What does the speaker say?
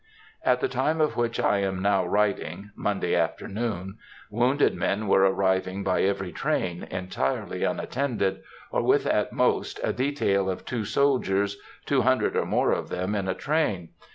... At the time of which I am now writing (Monday afternoon), wounded men were arriving by every train, entirely unattended, or with at most a detail of two soldiers, two hundred or more of them in a train.